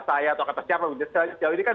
saya atau kata siapa sejauh ini kan